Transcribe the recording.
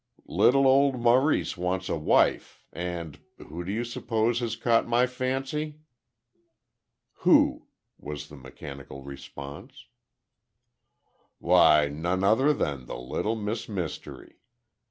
Little Old Maurice wants a wifie—and—who do you suppose has caught my fancy?" "Who?" was the mechanical response. "Why, none other than the little Miss Mystery.